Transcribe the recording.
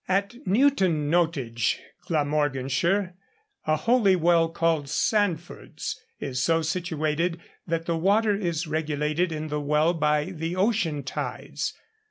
At Newton Nottage, Glamorganshire, a holy well called Sanford's is so situated that the water is regulated in the well by the ocean tides.